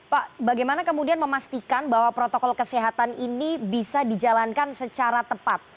pak bagaimana kemudian memastikan bahwa protokol kesehatan ini bisa dijalankan secara tepat